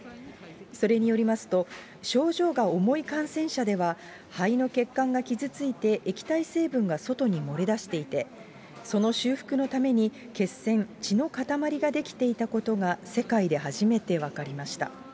それによりますと、症状が重い感染者では、肺の血管が傷ついて液体成分が外に漏れだしていて、その修復のために血栓、血の塊が出来ていたことが、世界で初めて分かりました。